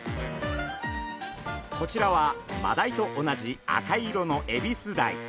こちらはマダイと同じ赤色のエビスダイ。